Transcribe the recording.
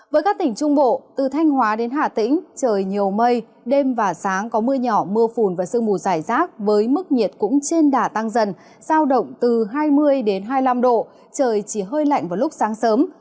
với các tỉnh trung bộ từ thanh hóa đến hà tĩnh trời nhiều mây đêm và sáng có mưa nhỏ mưa phùn và sương mù dài rác với mức nhiệt cũng trên đà tăng dần giao động từ hai mươi hai mươi năm độ trời chỉ hơi lạnh vào lúc sáng sớm